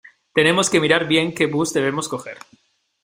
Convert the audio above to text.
Tenemos que mirar bien qué bus debemos coger.